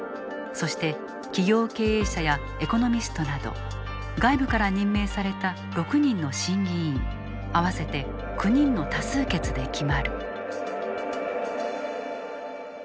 そして企業経営者やエコノミストなど外部から任命された６人の審議委員合わせて９人の多数決で決まる。